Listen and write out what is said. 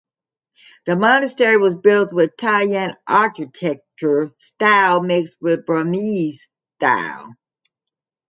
The monastery was built with Tai Yai architecture style mixed with Burmese style.